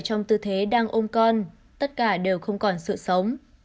trong tư thế đang ôm con tất cả đều không còn sự sống